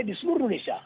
di seluruh indonesia